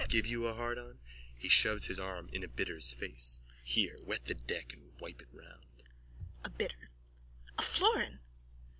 That give you a hardon? (He shoves his arm in a bidder's face.) Here wet the deck and wipe it round! A BIDDER: A florin.